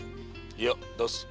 いや出す。